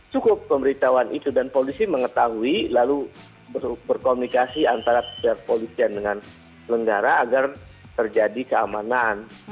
cukup pemberitahuan itu dan polisi mengetahui lalu berkomunikasi antara pihak polisian dengan lenggara agar terjadi keamanan